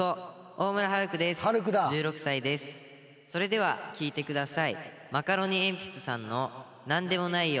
それでは聴いてください。